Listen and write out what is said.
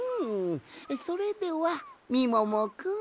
それではみももくん。